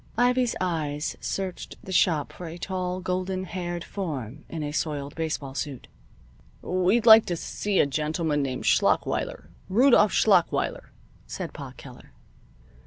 Ivy's eyes searched the shop for a tall, golden haired form in a soiled baseball suit. "We'd like to see a gentleman named Schlachweiler Rudolph Schlachweiler," said Pa Keller.